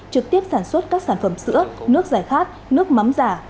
trực tiếp sản xuất các sản phẩm sữa nước giải khát nước mắm giả